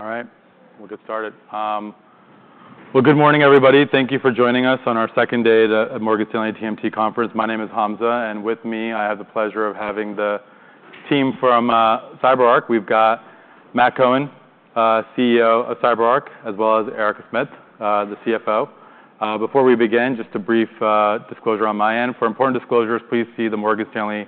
All right, we'll get started. Well, good morning, everybody. Thank you for joining us on our second day at the Morgan Stanley TMT Conference. My name is Hamza, and with me, I have the pleasure of having the team from CyberArk. We've got Matt Cohen, CEO of CyberArk, as well as Erica Smith, the CFO. Before we begin, just a brief disclosure on my end. For important disclosures, please see the Morgan Stanley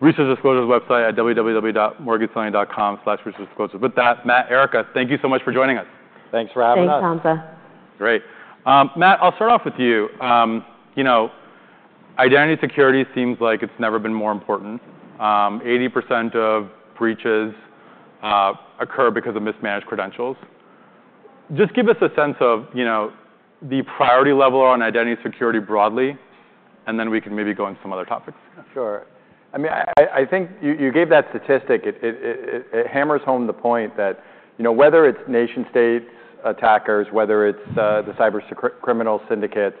Research Disclosures website at www.morganstanley.com/researchdisclosures. With that, Matt, Erica, thank you so much for joining us. Thanks for having us. Thanks, Hamza. Great. Matt, I'll start off with you. Identity security seems like it's never been more important. 80% of breaches occur because of mismanaged credentials. Just give us a sense of the priority level on identity security broadly, and then we can maybe go into some other topics. Sure. I mean, I think you gave that statistic. It hammers home the point that whether it's nation-state attackers, whether it's the cybercriminal syndicates,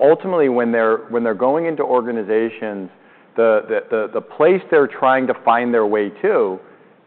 ultimately, when they're going into organizations, the place they're trying to find their way to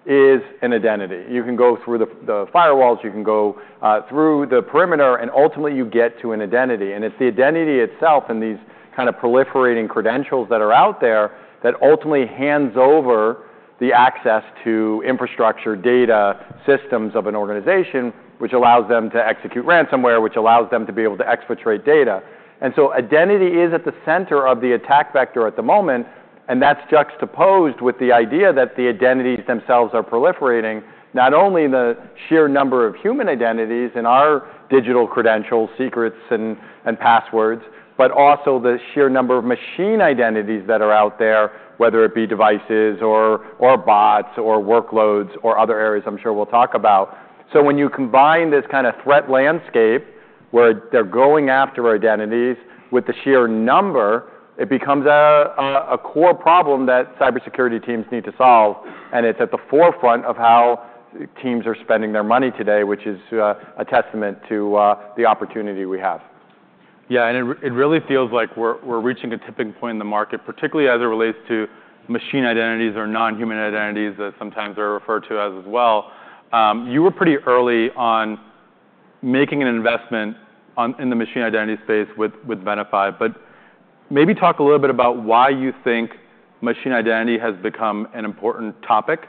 is an identity. You can go through the firewalls. You can go through the perimeter, and ultimately, you get to an identity, and it's the identity itself and these kind of proliferating credentials that are out there that ultimately hands over the access to infrastructure, data, systems of an organization, which allows them to execute ransomware, which allows them to be able to exfiltrate data. And so identity is at the center of the attack vector at the moment, and that's juxtaposed with the idea that the identities themselves are proliferating, not only the sheer number of human identities and our digital credentials, secrets, and passwords, but also the sheer number of machine identities that are out there, whether it be devices or bots or workloads or other areas I'm sure we'll talk about. So when you combine this kind of threat landscape where they're going after identities with the sheer number, it becomes a core problem that cybersecurity teams need to solve, and it's at the forefront of how teams are spending their money today, which is a testament to the opportunity we have. Yeah, and it really feels like we're reaching a tipping point in the market, particularly as it relates to machine identities or non-human identities that sometimes are referred to as well. You were pretty early on making an investment in the machine identity space with Venafi, but maybe talk a little bit about why you think machine identity has become an important topic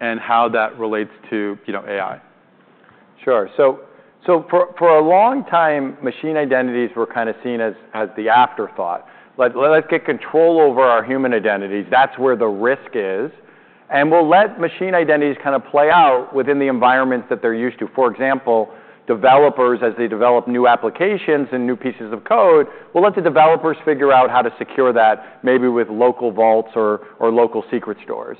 and how that relates to AI. Sure, so for a long time, machine identities were kind of seen as the afterthought. Let's get control over our human identities. That's where the risk is, and we'll let machine identities kind of play out within the environments that they're used to. For example, developers, as they develop new applications and new pieces of code, we'll let the developers figure out how to secure that, maybe with local vaults or local secret stores.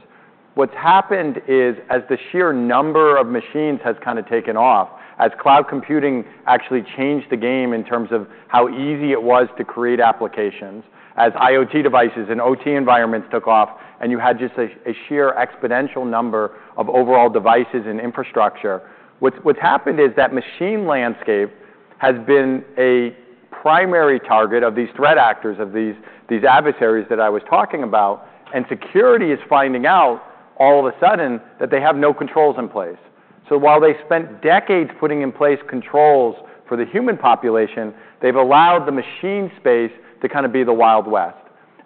What's happened is, as the sheer number of machines has kind of taken off, as cloud computing actually changed the game in terms of how easy it was to create applications, as IoT devices and OT environments took off, and you had just a sheer exponential number of overall devices and infrastructure, what's happened is that machine landscape has been a primary target of these threat actors, of these adversaries that I was talking about. Security is finding out, all of a sudden, that they have no controls in place. While they spent decades putting in place controls for the human population, they've allowed the machine space to kind of be the Wild West.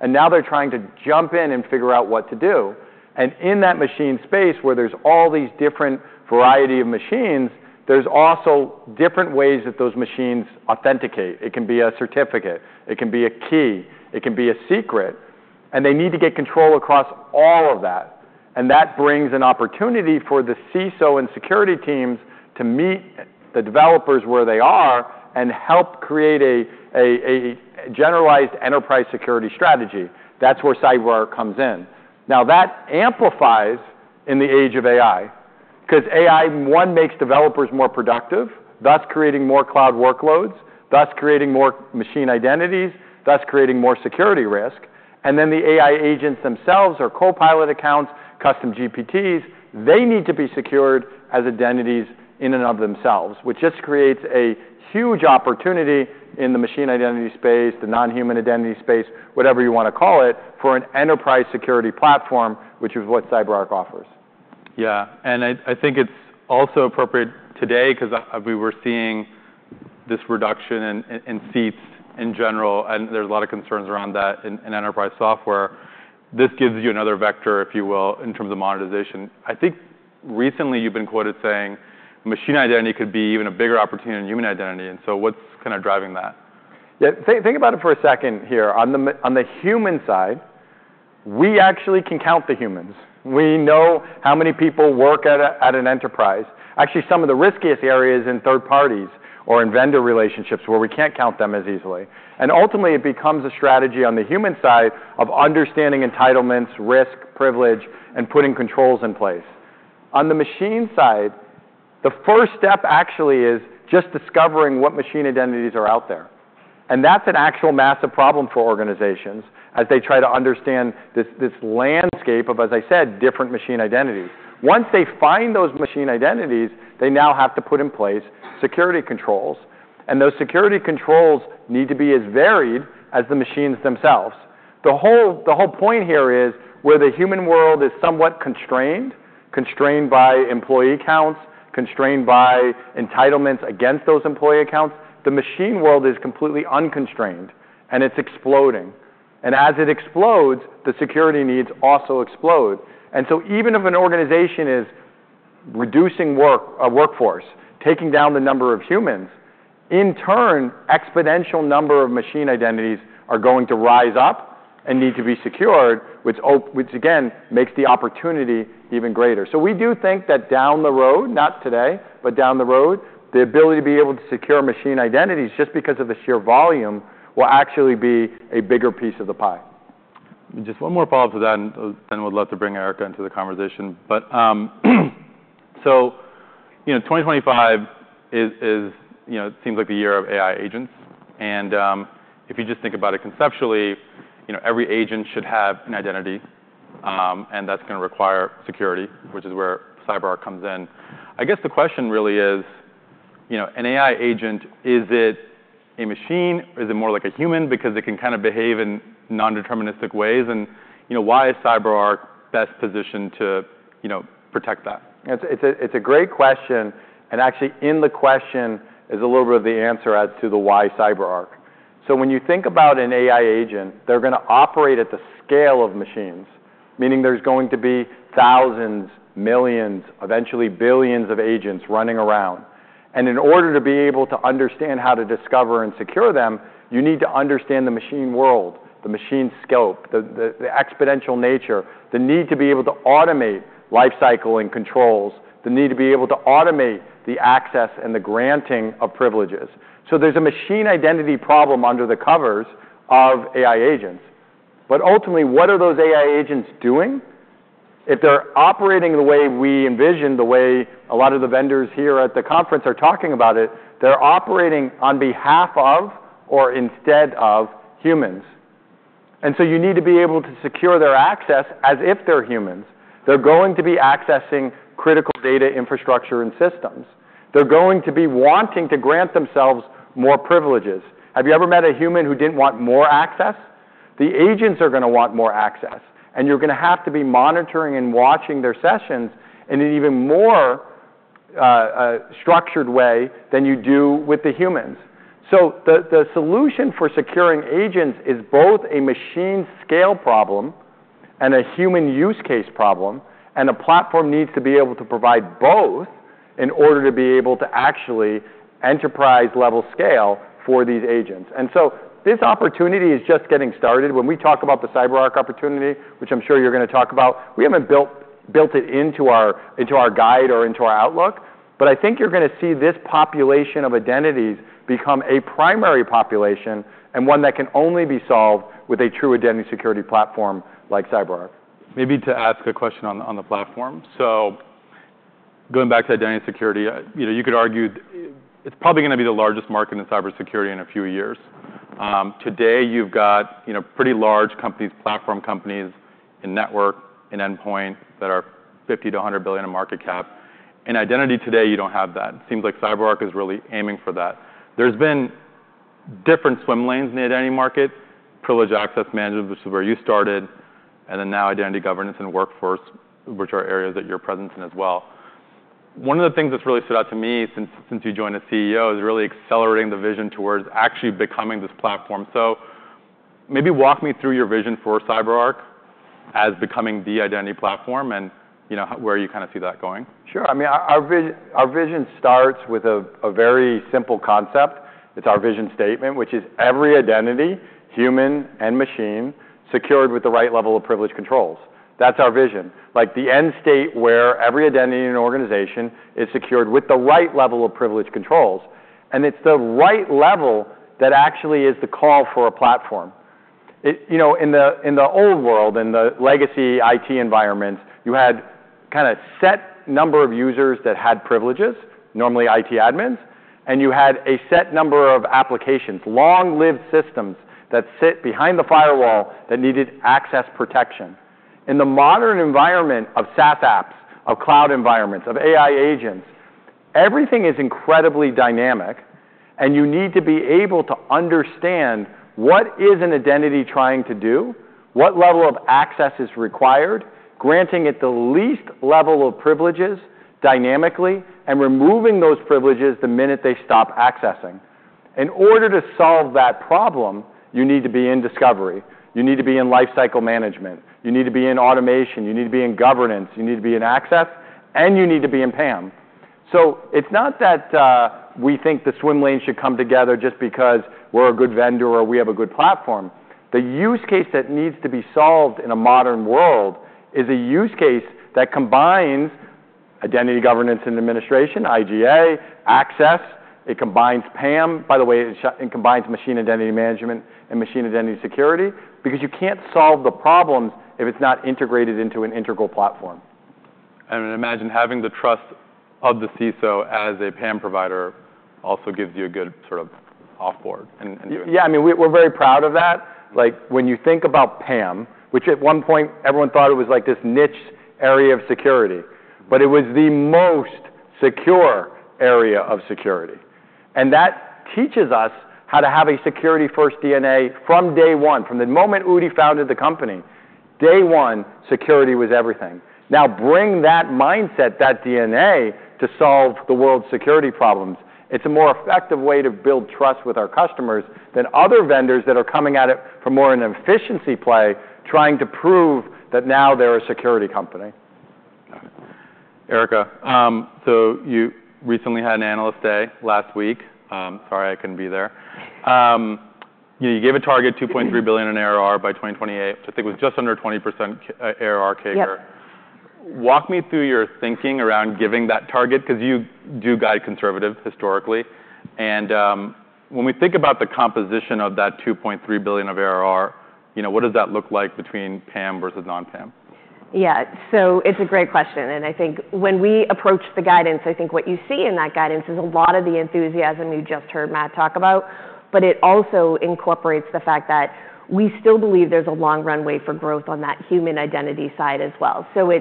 Now they're trying to jump in and figure out what to do. In that machine space, where there's all these different varieties of machines, there's also different ways that those machines authenticate. It can be a certificate. It can be a key. It can be a secret. They need to get control across all of that. That brings an opportunity for the CISO and security teams to meet the developers where they are and help create a generalized enterprise security strategy. That's where CyberArk comes in. Now, that amplifies in the age of AI because AI, one, makes developers more productive, thus creating more cloud workloads, thus creating more machine identities, thus creating more security risk, and then the AI agents themselves are Copilot accounts, Custom GPTs. They need to be secured as identities in and of themselves, which just creates a huge opportunity in the machine identity space, the non-human identity space, whatever you want to call it, for an enterprise security platform, which is what CyberArk offers. Yeah, and I think it's also appropriate today because we were seeing this reduction in seats in general, and there's a lot of concerns around that in enterprise software. This gives you another vector, if you will, in terms of monetization. I think recently you've been quoted saying machine identity could be even a bigger opportunity than human identity. And so what's kind of driving that? Yeah, think about it for a second here. On the human side, we actually can count the humans. We know how many people work at an enterprise. Actually, some of the riskiest areas in third parties or in vendor relationships where we can't count them as easily. And ultimately, it becomes a strategy on the human side of understanding entitlements, risk, privilege, and putting controls in place. On the machine side, the first step actually is just discovering what machine identities are out there. And that's an actual massive problem for organizations as they try to understand this landscape of, as I said, different machine identities. Once they find those machine identities, they now have to put in place security controls. And those security controls need to be as varied as the machines themselves. The whole point here is, where the human world is somewhat constrained, constrained by employee counts, constrained by entitlements against those employee accounts, the machine world is completely unconstrained, and it's exploding, and as it explodes, the security needs also explode, and so even if an organization is reducing workforce, taking down the number of humans, in turn, an exponential number of machine identities are going to rise up and need to be secured, which again makes the opportunity even greater, so we do think that down the road, not today, but down the road, the ability to be able to secure machine identities just because of the sheer volume will actually be a bigger piece of the pie. Just one more follow-up to that, and then we'd love to bring Erica into the conversation. So 2025 seems like the year of AI agents. And if you just think about it conceptually, every agent should have an identity, and that's going to require security, which is where CyberArk comes in. I guess the question really is, an AI agent, is it a machine? Is it more like a human because it can kind of behave in non-deterministic ways? And why is CyberArk best positioned to protect that? It's a great question. And actually, in the question is a little bit of the answer as to the why CyberArk. So when you think about an AI agent, they're going to operate at the scale of machines, meaning there's going to be thousands, millions, eventually billions of agents running around. And in order to be able to understand how to discover and secure them, you need to understand the machine world, the machine scope, the exponential nature, the need to be able to automate lifecycle and controls, the need to be able to automate the access and the granting of privileges. So there's a machine identity problem under the covers of AI agents. But ultimately, what are those AI agents doing? If they're operating the way we envision, the way a lot of the vendors here at the conference are talking about it, they're operating on behalf of or instead of humans. And so you need to be able to secure their access as if they're humans. They're going to be accessing critical data, infrastructure, and systems. They're going to be wanting to grant themselves more privileges. Have you ever met a human who didn't want more access? The agents are going to want more access. And you're going to have to be monitoring and watching their sessions in an even more structured way than you do with the humans. So the solution for securing agents is both a machine scale problem and a human use case problem. And a platform needs to be able to provide both in order to be able to actually enterprise-level scale for these agents. And so this opportunity is just getting started. When we talk about the CyberArk opportunity, which I'm sure you're going to talk about, we haven't built it into our guide or into our outlook. But I think you're going to see this population of identities become a primary population and one that can only be solved with a true identity security platform like CyberArk. Maybe to ask a question on the platform. So going back to identity security, you could argue it's probably going to be the largest market in cybersecurity in a few years. Today, you've got pretty large companies, platform companies and network and endpoint that are $50-100 billion in market cap. In identity today, you don't have that. It seems like CyberArk is really aiming for that. There's been different swim lanes in the identity market, privileged access management, which is where you started, and then now identity governance and workforce, which are areas that you're present in as well. One of the things that's really stood out to me since you joined as CEO is really accelerating the vision towards actually becoming this platform. So maybe walk me through your vision for CyberArk as becoming the identity platform and where you kind of see that going. Sure. I mean, our vision starts with a very simple concept. It's our vision statement, which is every identity, human and machine, secured with the right level of privilege controls. That's our vision. Like the end state where every identity in an organization is secured with the right level of privilege controls. And it's the right level that actually is the call for a platform. In the old world, in the legacy IT environments, you had kind of a set number of users that had privileges, normally IT admins, and you had a set number of applications, long-lived systems that sit behind the firewall that needed access protection. In the modern environment of SaaS apps, of cloud environments, of AI agents, everything is incredibly dynamic. And you need to be able to understand what is an identity trying to do, what level of access is required, granting it the least level of privileges dynamically, and removing those privileges the minute they stop accessing. In order to solve that problem, you need to be in discovery. You need to be in lifecycle management. You need to be in automation. You need to be in governance. You need to be in access. And you need to be in PAM. So it's not that we think the swim lanes should come together just because we're a good vendor or we have a good platform. The use case that needs to be solved in a modern world is a use case that combines identity governance and administration, IGA, access. It combines PAM. By the way, it combines machine identity management and machine identity security because you can't solve the problems if it's not integrated into an integral platform. I imagine having the trust of the CISO as a PAM provider also gives you a good sort of offboard. Yeah, I mean, we're very proud of that. Like when you think about PAM, which at one point everyone thought it was like this niche area of security, but it was the most secure area of security, and that teaches us how to have a security-first DNA from day one. From the moment Udi founded the company, day one, security was everything. Now bring that mindset, that DNA to solve the world's security problems. It's a more effective way to build trust with our customers than other vendors that are coming at it from more of an efficiency play trying to prove that now they're a security company. Erica, so you recently had an analyst day last week. Sorry, I couldn't be there. You gave a target of $2.3 billion in ARR by 2028, which I think was just under 20% ARR CAGR. Walk me through your thinking around giving that target because you do guide conservative historically. And when we think about the composition of that $2.3 billion of ARR, what does that look like between PAM versus non-PAM? Yeah, so it's a great question. And I think when we approach the guidance, I think what you see in that guidance is a lot of the enthusiasm you just heard Matt talk about. But it also incorporates the fact that we still believe there's a long runway for growth on that human identity side as well. So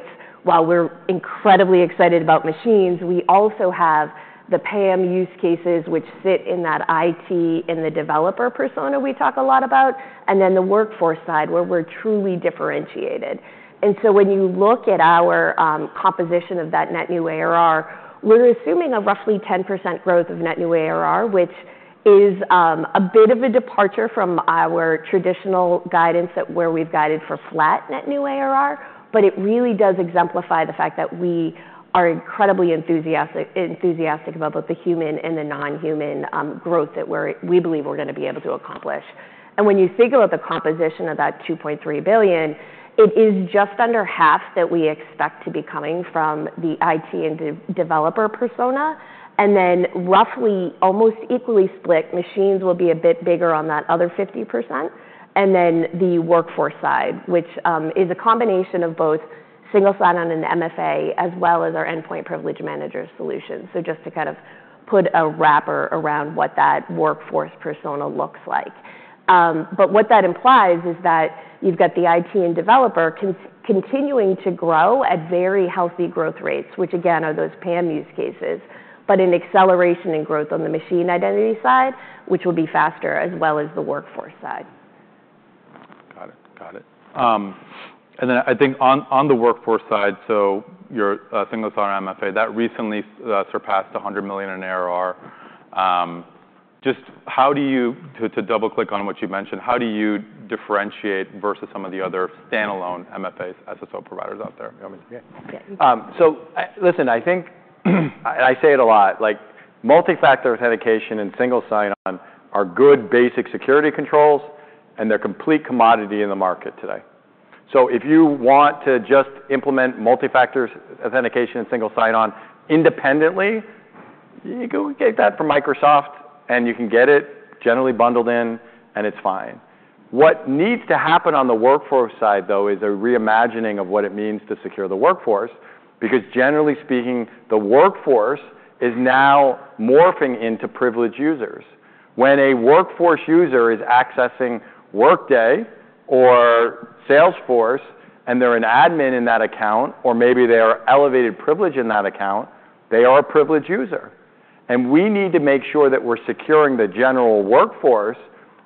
while we're incredibly excited about machines, we also have the PAM use cases which sit in that IT and the developer persona we talk a lot about, and then the workforce side where we're truly differentiated. And so when you look at our composition of that net new ARR, we're assuming a roughly 10% growth of net new ARR, which is a bit of a departure from our traditional guidance where we've guided for flat net new ARR. But it really does exemplify the fact that we are incredibly enthusiastic about both the human and the non-human growth that we believe we're going to be able to accomplish. And when you think about the composition of that $2.3 billion, it is just under half that we expect to be coming from the IT and developer persona. And then roughly almost equally split, machines will be a bit bigger on that other 50%. And then the workforce side, which is a combination of both single sign-on and MFA, as well as our Endpoint Privilege Manager solution. So just to kind of put a wrapper around what that workforce persona looks like. But what that implies is that you've got the IT and developer continuing to grow at very healthy growth rates, which again are those PAM use cases, but an acceleration in growth on the machine identity side, which will be faster as well as the workforce side. Got it. Got it. And then I think on the workforce side, so your single sign-on MFA, that recently surpassed $100 million in ARR. Just how do you, to double-click on what you mentioned, how do you differentiate versus some of the other standalone MFAs, SSO providers out there? Yeah. So listen, I think, and I say it a lot, like multi-factor authentication and single sign-on are good basic security controls, and they're complete commodity in the market today. So if you want to just implement multi-factor authentication and single sign-on independently, you can get that from Microsoft, and you can get it generally bundled in, and it's fine. What needs to happen on the workforce side, though, is a reimagining of what it means to secure the workforce because, generally speaking, the workforce is now morphing into privileged users. When a workforce user is accessing Workday or Salesforce, and they're an admin in that account, or maybe they are elevated privilege in that account, they are a privileged user. And we need to make sure that we're securing the general workforce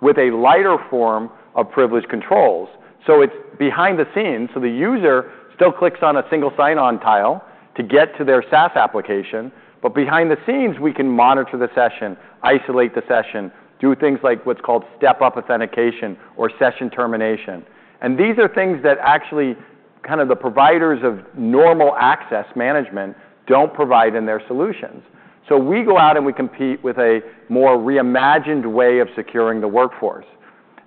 with a lighter form of privileged controls. So it's behind the scenes. So the user still clicks on a single sign-on tile to get to their SaaS application. But behind the scenes, we can monitor the session, isolate the session, do things like what's called step-up authentication or session termination. And these are things that actually kind of the providers of normal access management don't provide in their solutions. So we go out and we compete with a more reimagined way of securing the workforce.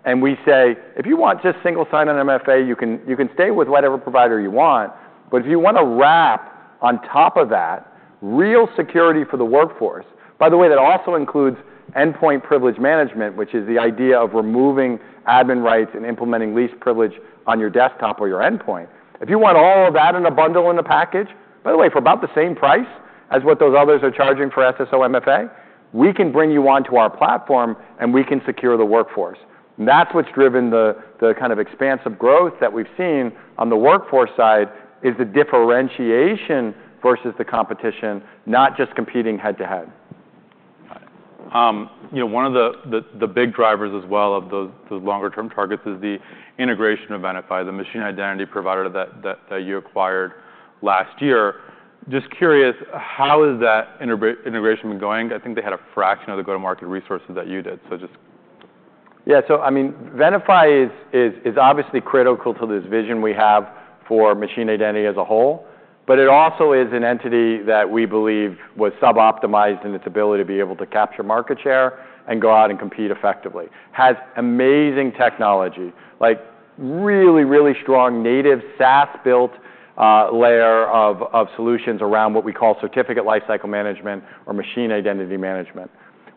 And we say, if you want just single sign-on MFA, you can stay with whatever provider you want. But if you want to wrap on top of that real security for the workforce, by the way, that also includes endpoint privilege management, which is the idea of removing admin rights and implementing least privilege on your desktop or your endpoint. If you want all of that in a bundle in a package, by the way, for about the same price as what those others are charging for SSO MFA, we can bring you onto our platform, and we can secure the workforce. And that's what's driven the kind of expansive growth that we've seen on the workforce side is the differentiation versus the competition, not just competing head to head. One of the big drivers as well of those longer-term targets is the integration of Venafi, the machine identity provider that you acquired last year. Just curious, how has that integration been going? I think they had a fraction of the go-to-market resources that you did. So just. Yeah. So I mean, Venafi is obviously critical to this vision we have for machine identity as a whole. But it also is an entity that we believe was sub-optimized in its ability to be able to capture market share and go out and compete effectively. Has amazing technology, like really, really strong native SaaS-built layer of solutions around what we call certificate lifecycle management or machine identity management.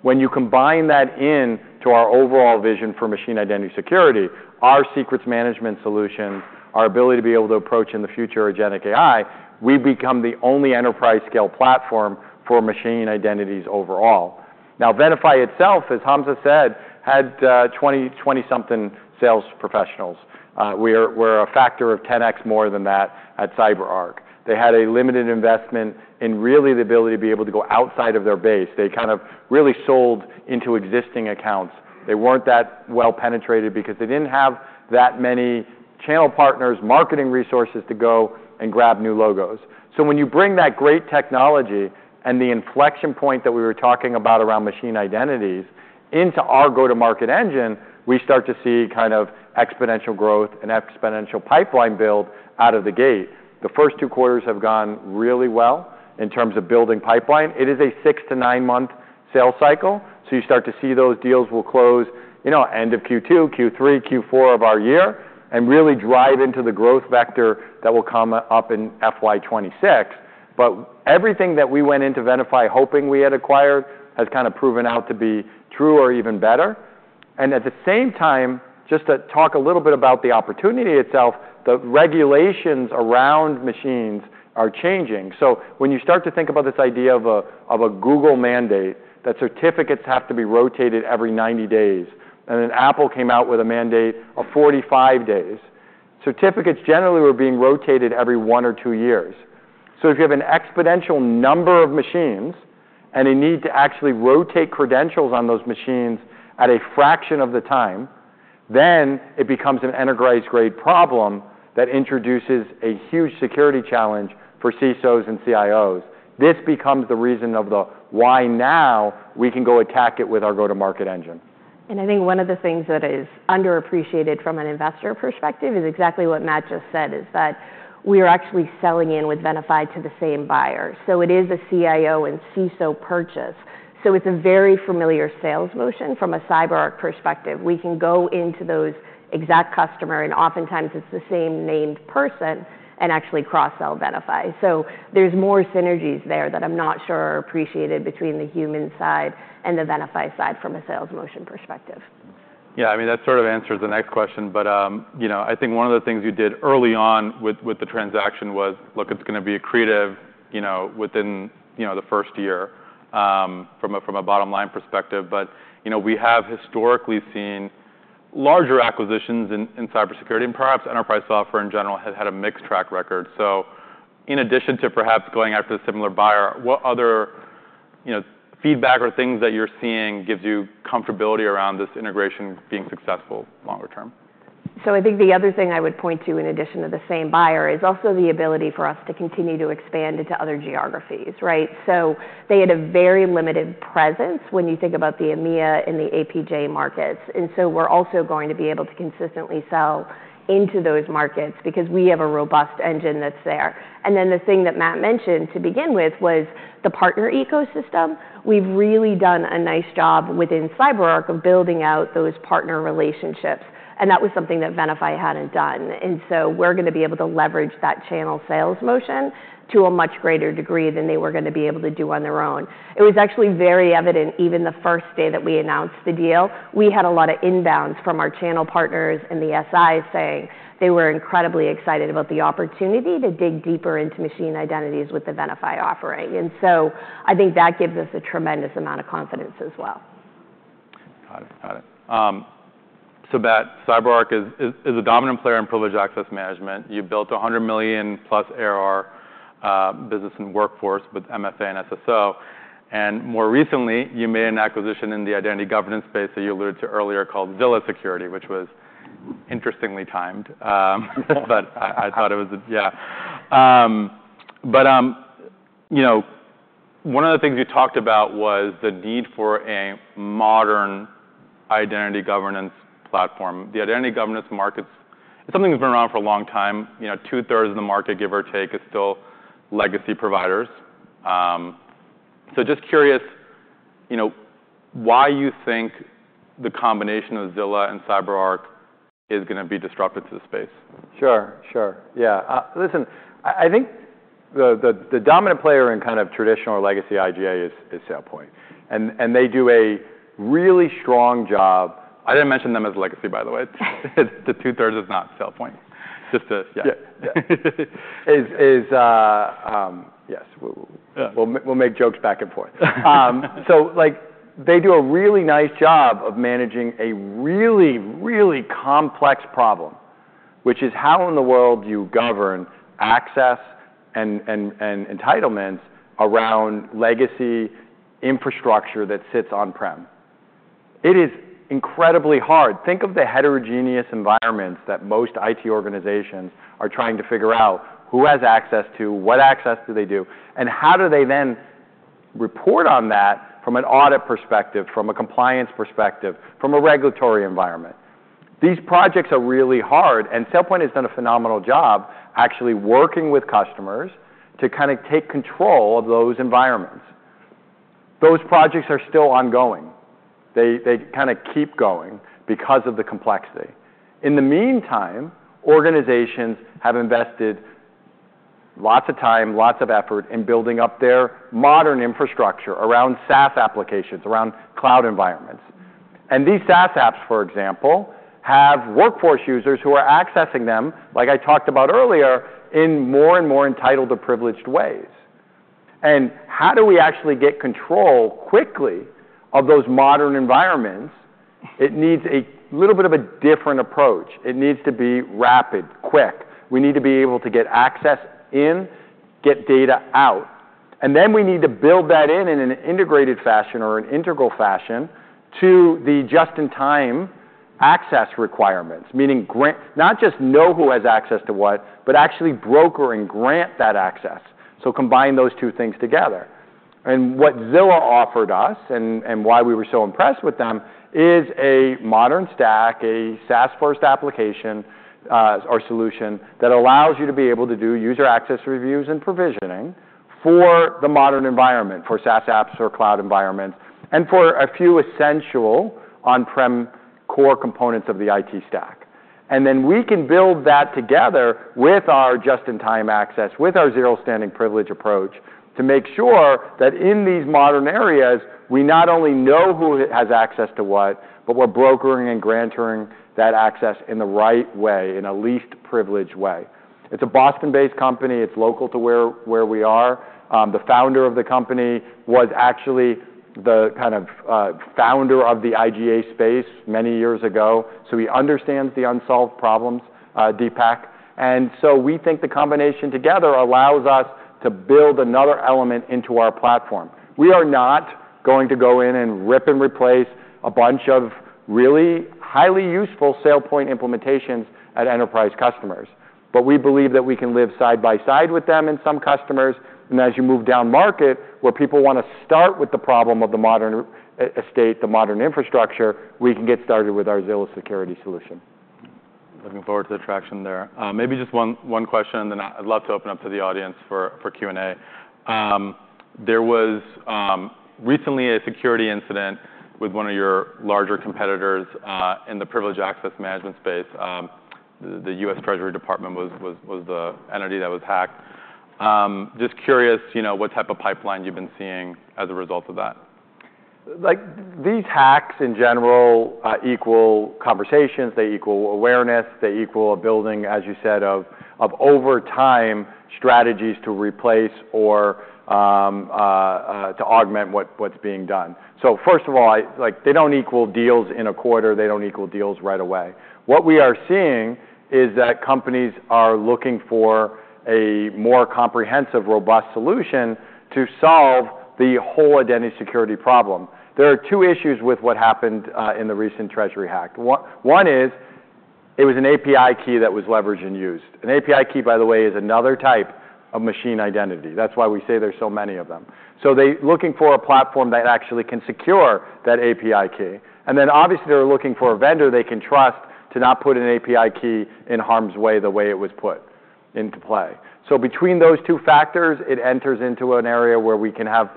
When you combine that into our overall vision for machine identity security, our secrets management solution, our ability to be able to approach in the future agentic AI, we become the only enterprise-scale platform for machine identities overall. Now, Venafi itself, as Hamza said, had 20-something sales professionals. We're a factor of 10x more than that at CyberArk. They had a limited investment in really the ability to be able to go outside of their base. They kind of really sold into existing accounts. They weren't that well penetrated because they didn't have that many channel partners, marketing resources to go and grab new logos. So when you bring that great technology and the inflection point that we were talking about around machine identities into our go-to-market engine, we start to see kind of exponential growth and exponential pipeline build out of the gate. The first two quarters have gone really well in terms of building pipeline. It is a six to nine-month sales cycle. So you start to see those deals will close end of Q2, Q3, Q4 of our year and really drive into the growth vector that will come up in FY26. But everything that we went into Venafi hoping we had acquired has kind of proven out to be true or even better. And at the same time, just to talk a little bit about the opportunity itself, the regulations around machines are changing. So when you start to think about this idea of a Google mandate that certificates have to be rotated every 90 days, and then Apple came out with a mandate of 45 days, certificates generally were being rotated every one or two years. So if you have an exponential number of machines and a need to actually rotate credentials on those machines at a fraction of the time, then it becomes an enterprise-grade problem that introduces a huge security challenge for CISOs and CIOs. This becomes the reason of why now we can go attack it with our go-to-market engine. And I think one of the things that is underappreciated from an investor perspective is exactly what Matt just said, is that we are actually selling in with Venafi to the same buyer. So it is a CIO and CISO purchase. So it's a very familiar sales motion from a CyberArk perspective. We can go into those exact customers, and oftentimes it's the same named person, and actually cross-sell Venafi. So there's more synergies there that I'm not sure are appreciated between the human side and the Venafi side from a sales motion perspective. Yeah. I mean, that sort of answers the next question. But I think one of the things you did early on with the transaction was, look, it's going to be accretive within the first year from a bottom-line perspective. But we have historically seen larger acquisitions in cybersecurity, and perhaps enterprise software in general has had a mixed track record. So in addition to perhaps going after a similar buyer, what other feedback or things that you're seeing gives you comfortability around this integration being successful longer term? So I think the other thing I would point to in addition to the same buyer is also the ability for us to continue to expand into other geographies, right? So they had a very limited presence when you think about the EMEA and the APJ markets. And so we're also going to be able to consistently sell into those markets because we have a robust engine that's there. And then the thing that Matt mentioned to begin with was the partner ecosystem. We've really done a nice job within CyberArk of building out those partner relationships. And that was something that Venafi hadn't done. And so we're going to be able to leverage that channel sales motion to a much greater degree than they were going to be able to do on their own. It was actually very evident even the first day that we announced the deal. We had a lot of inbounds from our channel partners and the SIs saying they were incredibly excited about the opportunity to dig deeper into machine identities with the Venafi offering, and so I think that gives us a tremendous amount of confidence as well. Got it. Got it. So Matt, CyberArk is a dominant player in privileged access management. You built a 100 million-plus ARR business and workforce with MFA and SSO. And more recently, you made an acquisition in the identity governance space that you alluded to earlier called Zilla Security, which was interestingly timed. But I thought it was a, yeah. But one of the things you talked about was the need for a modern identity governance platform. The identity governance markets, it's something that's been around for a long time. Two-thirds of the market, give or take, is still legacy providers. So just curious, why do you think the combination of Zilla and CyberArk is going to be disruptive to the space? Sure. Sure. Yeah. Listen, I think the dominant player in kind of traditional or legacy IGA is SailPoint. And they do a really strong job. I didn't mention them as legacy, by the way. The two-thirds is not SailPoint. Just to, yeah. Yes. We'll make jokes back and forth. So they do a really nice job of managing a really, really complex problem, which is how in the world do you govern access and entitlements around legacy infrastructure that sits on-prem. It is incredibly hard. Think of the heterogeneous environments that most IT organizations are trying to figure out who has access to, what access do they do, and how do they then report on that from an audit perspective, from a compliance perspective, from a regulatory environment. These projects are really hard. SailPoint has done a phenomenal job actually working with customers to kind of take control of those environments. Those projects are still ongoing. They kind of keep going because of the complexity. In the meantime, organizations have invested lots of time, lots of effort in building up their modern infrastructure around SaaS applications, around cloud environments. These SaaS apps, for example, have workforce users who are accessing them, like I talked about earlier, in more and more entitled or privileged ways. How do we actually get control quickly of those modern environments? It needs a little bit of a different approach. It needs to be rapid, quick. We need to be able to get access in, get data out. And then we need to build that in an integrated fashion or an integral fashion to the just-in-time access requirements, meaning not just know who has access to what, but actually broker and grant that access. So combine those two things together. And what Zilla offered us and why we were so impressed with them is a modern stack, a SaaS-first application or solution that allows you to be able to do user access reviews and provisioning for the modern environment, for SaaS apps or cloud environments, and for a few essential on-prem core components of the IT stack. And then we can build that together with our just-in-time access, with our zero-standing privilege approach to make sure that in these modern areas, we not only know who has access to what, but we're brokering and granting that access in the right way, in a least privileged way. It's a Boston-based company. It's local to where we are. The founder of the company was actually the kind of founder of the IGA space many years ago. So he understands the unsolved problems, Deepak. And so we think the combination together allows us to build another element into our platform. We are not going to go in and rip and replace a bunch of really highly useful SailPoint implementations at enterprise customers. But we believe that we can live side by side with them in some customers. And as you move down market, where people want to start with the problem of the modern estate, the modern infrastructure, we can get started with our Zilla Security solution. Looking forward to the traction there. Maybe just one question, and then I'd love to open up to the audience for Q&A. There was recently a security incident with one of your larger competitors in the privileged access management space. The US Department of the Treasury was the entity that was hacked. Just curious what type of pipeline you've been seeing as a result of that. These hacks in general equal conversations. They equal awareness. They equal a building, as you said, of over time strategies to replace or to augment what's being done. So first of all, they don't equal deals in a quarter. They don't equal deals right away. What we are seeing is that companies are looking for a more comprehensive, robust solution to solve the whole identity security problem. There are two issues with what happened in the recent Treasury hack. One is it was an API key that was leveraged and used. An API key, by the way, is another type of machine identity. That's why we say there's so many of them. So they're looking for a platform that actually can secure that API key. And then obviously, they're looking for a vendor they can trust to not put an API key in harm's way the way it was put into play. So between those two factors, it enters into an area where we can have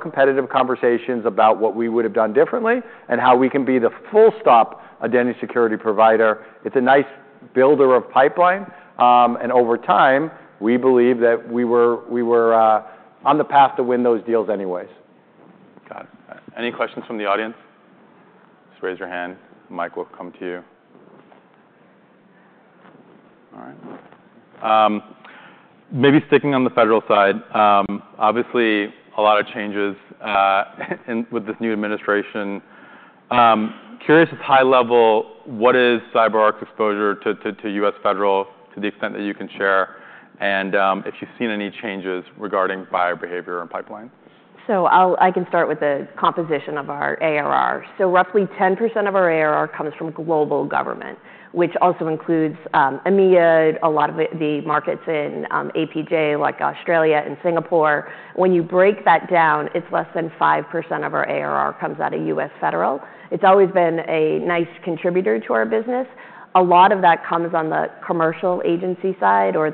competitive conversations about what we would have done differently and how we can be the full-stop identity security provider. It's a nice builder of pipeline. And over time, we believe that we were on the path to win those deals anyways. Got it. Any questions from the audience? Just raise your hand. Mike will come to you. All right. Maybe sticking on the federal side, obviously, a lot of changes with this new administration. Curious at a high level, what is CyberArk's exposure to U.S. federal to the extent that you can share and if you've seen any changes regarding buyer behavior and pipeline? I can start with the composition of our ARR. Roughly 10% of our ARR comes from global government, which also includes EMEA, a lot of the markets in APJ like Australia and Singapore. When you break that down, it's less than five% of our ARR comes out of U.S. federal. It's always been a nice contributor to our business. A lot of that comes on the commercial agency side or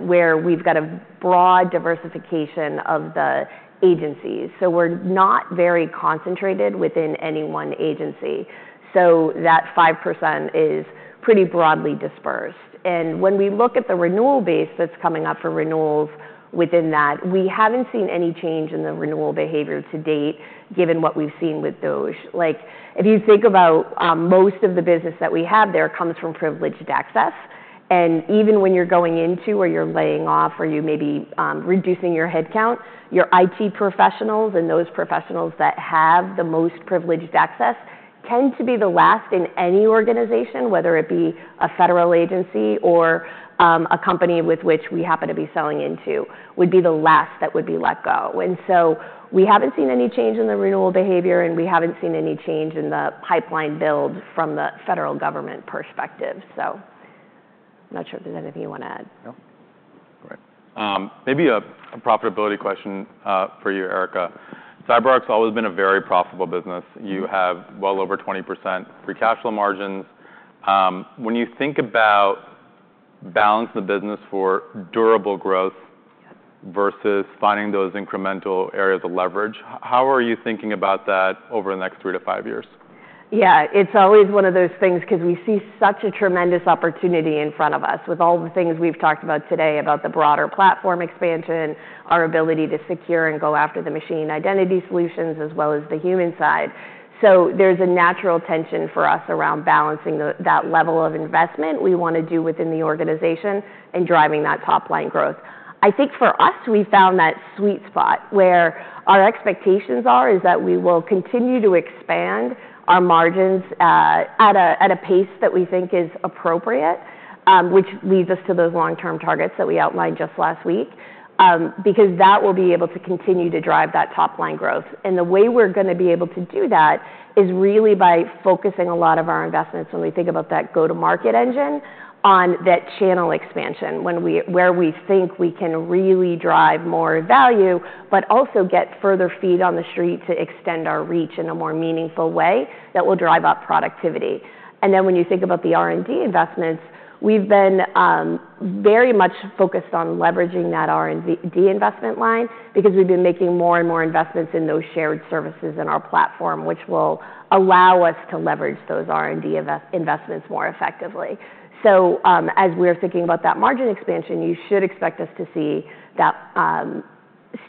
where we've got a broad diversification of the agencies. We're not very concentrated within any one agency. That five% is pretty broadly dispersed. When we look at the renewal base that's coming up for renewals within that, we haven't seen any change in the renewal behavior to date given what we've seen with those. If you think about most of the business that we have there comes from privileged access. And even when you're going into or you're laying off or you may be reducing your headcount, your IT professionals and those professionals that have the most privileged access tend to be the last in any organization, whether it be a federal agency or a company with which we happen to be selling into, would be the last that would be let go. And so we haven't seen any change in the renewal behavior, and we haven't seen any change in the pipeline build from the federal government perspective. So I'm not sure if there's anything you want to add. No. Great. Maybe a profitability question for you, Erica. CyberArk's always been a very profitable business. You have well over 20% free cash flow margins. When you think about balancing the business for durable growth versus finding those incremental areas of leverage, how are you thinking about that over the next three to five years? Yeah. It's always one of those things because we see such a tremendous opportunity in front of us with all the things we've talked about today about the broader platform expansion, our ability to secure and go after the machine identity solutions as well as the human side. So there's a natural tension for us around balancing that level of investment we want to do within the organization and driving that top-line growth. I think for us, we found that sweet spot where our expectations are is that we will continue to expand our margins at a pace that we think is appropriate, which leads us to those long-term targets that we outlined just last week because that will be able to continue to drive that top-line growth. And the way we're going to be able to do that is really by focusing a lot of our investments when we think about that go-to-market engine on that channel expansion where we think we can really drive more value, but also get further feet on the street to extend our reach in a more meaningful way that will drive up productivity. And then when you think about the R&D investments, we've been very much focused on leveraging that R&D investment line because we've been making more and more investments in those shared services in our platform, which will allow us to leverage those R&D investments more effectively. So as we're thinking about that margin expansion, you should expect us to see that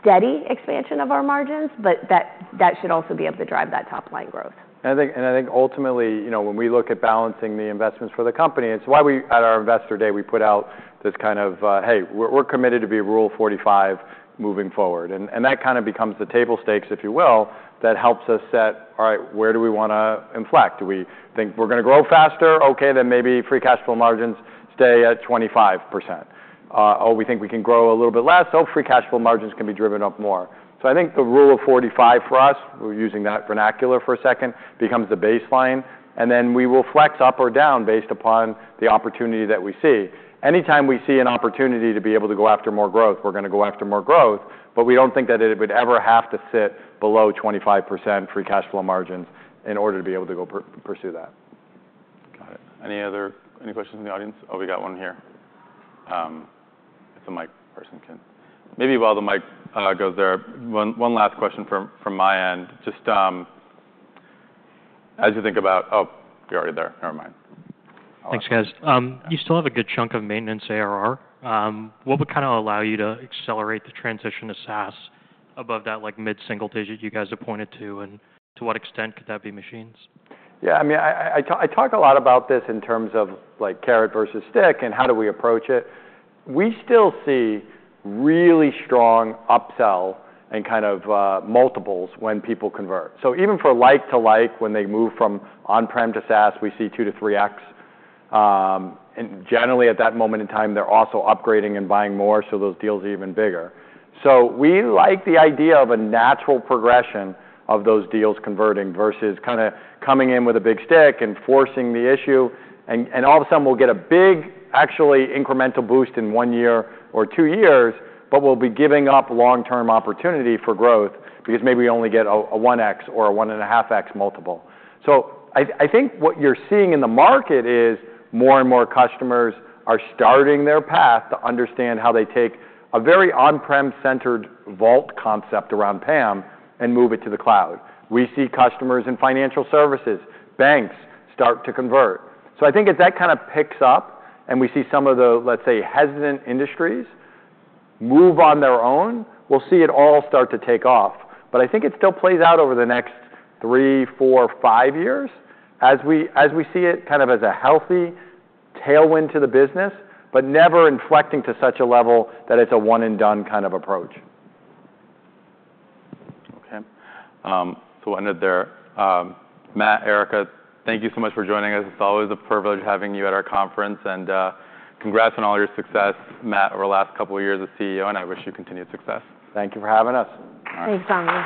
steady expansion of our margins, but that should also be able to drive that top-line growth. I think ultimately, when we look at balancing the investments for the company, it's why at our investor day, we put out this kind of, "Hey, we're committed to be Rule of 45 moving forward." That kind of becomes the table stakes, if you will, that helps us set, "All right, where do we want to inflect? Do we think we're going to grow faster? Okay, then maybe free cash flow margins stay at 25%. Oh, we think we can grow a little bit less. Oh, free cash flow margins can be driven up more." I think the Rule of 45 for us, we're using that vernacular for a second, becomes the baseline. Then we will flex up or down based upon the opportunity that we see. Anytime we see an opportunity to be able to go after more growth, we're going to go after more growth. But we don't think that it would ever have to sit below 25% free cash flow margins in order to be able to go pursue that. Got it. Any questions from the audience? Oh, we got one here. It's a mic person. Maybe while the mic goes there, one last question from my end. Just as you think about, oh, you're already there. Never mind. Thanks, guys. You still have a good chunk of maintenance ARR. What would kind of allow you to accelerate the transition to SaaS above that mid-single digit you guys have pointed to? And to what extent could that be machines? Yeah. I mean, I talk a lot about this in terms of carrot versus stick and how do we approach it. We still see really strong upsell and kind of multiples when people convert. So even for like-to-like, when they move from on-prem to SaaS, we see 2 to 3x. And generally, at that moment in time, they're also upgrading and buying more, so those deals are even bigger. So we like the idea of a natural progression of those deals converting versus kind of coming in with a big stick and forcing the issue. And all of a sudden, we'll get a big actually incremental boost in one year or two years, but we'll be giving up long-term opportunity for growth because maybe we only get a 1x or a 1.5x multiple. I think what you're seeing in the market is more and more customers are starting their path to understand how they take a very on-prem-centered vault concept around PAM and move it to the cloud. We see customers in financial services, banks start to convert. I think as that kind of picks up and we see some of the, let's say, hesitant industries move on their own, we'll see it all start to take off. But I think it still plays out over the next three, four, five years as we see it kind of as a healthy tailwind to the business, but never inflecting to such a level that it's a one-and-done kind of approach. Okay. We'll end it there. Matt, Erica, thank you so much for joining us. It's always a privilege having you at our conference. Congrats on all your success, Matt, over the last couple of years as CEO, and I wish you continued success. Thank you for having us. Thanks, Tom.